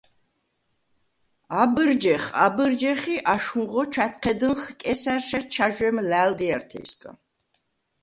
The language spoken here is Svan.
აბჷრჯეხ, აბჷრჯეხ ი აშხუნღო ჩვა̈თჴედჷნხ კესა̈რშერ ჩაჟვემ ლა̈ლდიართეჲსგა.